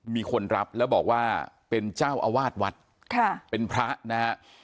มีคนรับแล้วบอกว่าเป็นเจ้าอาวาสวัดค่ะเป็นพระนะฮะ